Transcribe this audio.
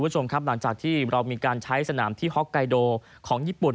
หลังจากที่เรามีการใช้สนามที่ฮอกไกโดของญี่ปุ่น